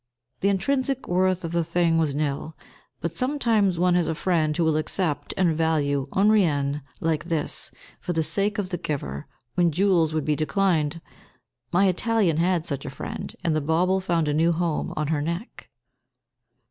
The intrinsic worth of the thing was nil, but sometimes one has a friend who will accept and value un rien like this, for the sake of the giver, when jewels would be declined. My Italian had such a friend, and the bauble found a new home on her neck.